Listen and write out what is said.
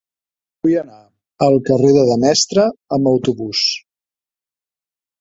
Vull anar al carrer de Demestre amb autobús.